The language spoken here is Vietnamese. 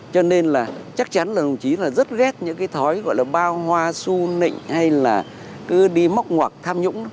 cho nên là chắc chắn là đồng chí là rất ghét những cái thói gọi là bao hoa su nịnh hay là cứ đi móc ngoặc tham nhũng